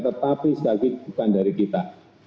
tetapi sekali lagi bukan dari kita